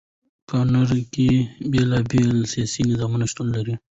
په نړی کی بیلا بیل سیاسی نظامونه شتون لری.